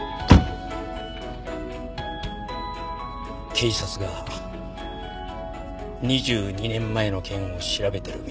警察が２２年前の件を調べてるみたいだ。